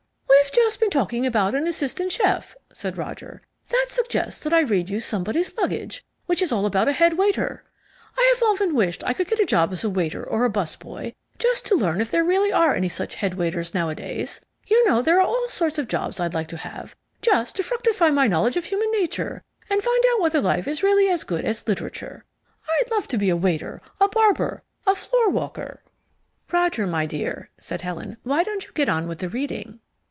"We've just been talking about an assistant chef," said Roger; "that suggests that I read you Somebody's Luggage, which is all about a head waiter. I have often wished I could get a job as a waiter or a bus boy, just to learn if there really are any such head waiters nowadays. You know there are all sorts of jobs I'd like to have, just to fructify my knowledge of human nature and find out whether life is really as good as literature. I'd love to be a waiter, a barber, a floorwalker " "Roger, my dear," said Helen, "why don't you get on with the reading?"